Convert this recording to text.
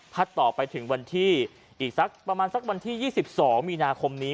ต่อไปถึงวันที่อีกสักประมาณสักวันที่๒๒มีนาคมนี้